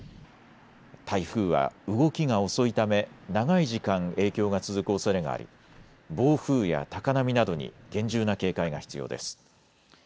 台風は動きが遅いため長い時間、影響が続くおそれがあり暴風や高波などに厳重な警戒が必要です。